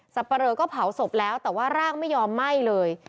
ปะเรอก็เผาศพแล้วแต่ว่าร่างไม่ยอมไหม้เลย